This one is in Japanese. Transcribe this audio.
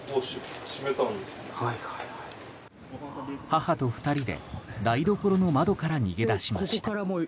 母と２人で台所の窓から逃げ出しました。